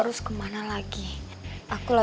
bisa mencuri lagi kita